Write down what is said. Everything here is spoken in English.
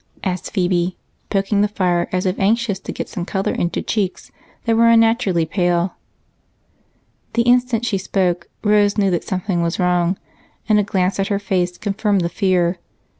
asked Phebe, poking the fire as if anxious to get some color into cheeks that were unnaturally pale. The instant she spoke Rose knew that something was wrong, and a glance at her face confirmed the fear.